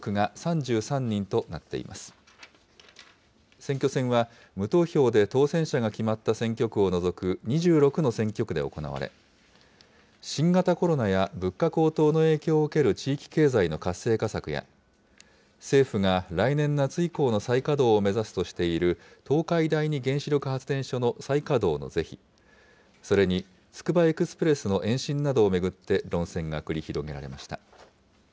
選挙戦は、無投票で当選者が決まった選挙区を除く２６の選挙区で行われ、新型コロナや物価高騰の影響を受ける地域経済の活性化策や、政府が来年夏以降の再稼働を目指すとしている東海第二原子力発電所の再稼働の是非、それにつくばエクスプレスの延伸などを巡って論戦が繰り広げられました。